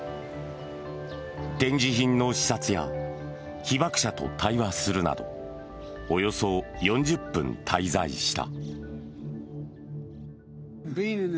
展示品の視察や被爆者と対話するなどおよそ４０分、滞在した。